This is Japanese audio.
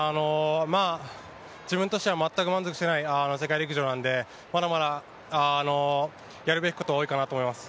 自分としては全く満足していない世界陸上なのでまだまだやるべきことは多いかなと思います。